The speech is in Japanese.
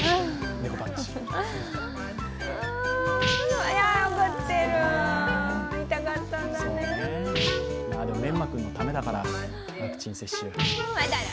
めんま君のためだから、ワクチン接種。